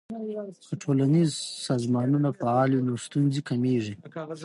که ټولنیز سازمانونه فعال وي نو ستونزې کمیږي.